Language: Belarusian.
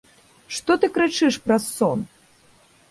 Што ты крычыш праз сон?